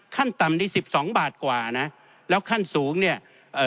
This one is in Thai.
ขั้นต่ำที่สิบสองบาทกว่านะแล้วขั้นสูงเนี่ยเอ่อ